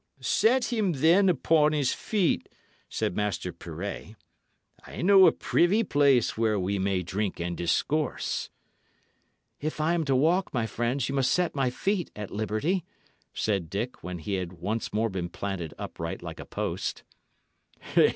"Set him, then, upon his feet," said Master Pirret. "I know a privy place where we may drink and discourse." "If I am to walk, my friends, ye must set my feet at liberty," said Dick, when he had been once more planted upright like a post.